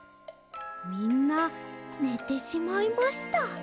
みんなねてしまいました。